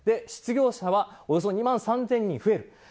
失業者はおよそ２万３０００人増える。